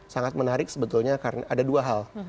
sangat menarik sebetulnya karena ada dua hal